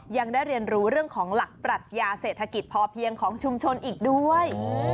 ยังได้เรียนรู้เรื่องของหลักปรัชญาเศรษฐกิจพอเพียงของชุมชนอีกด้วย